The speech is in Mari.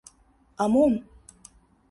— А мом?